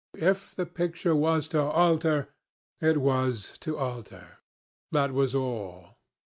If the picture was to alter, it was to alter. That was all.